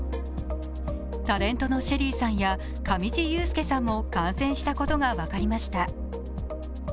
タレントのＳＨＥＬＬＹさんや上地雄輔さんも感染したことが分かりました。